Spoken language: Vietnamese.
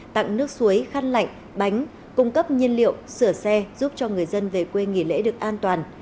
tặng nước suối khăn lạnh bánh cung cấp nhiên liệu sửa xe giúp cho người dân về quê nghỉ lễ được an toàn